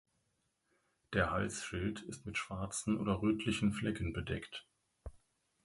Der Halsschild ist mit schwarzen oder rötlichen Flecken bedeckt.